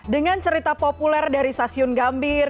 dengan cerita populer dari stasiun gambir